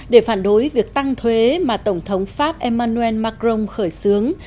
để phản đối việc tăng thuế mà tổng thống pháp emmanuel macron khởi xướng